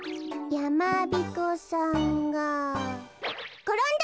やまびこさんがころんだ！